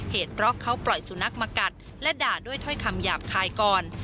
เหตุเพราะเขาปล่อยสุนัขมากัดและด่าด้วยถ้อยคำหยาบคายก่อน